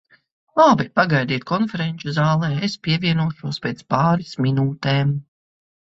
Labi, pagaidiet konferenču zālē, es pievienošos pēc pāris minūtēm.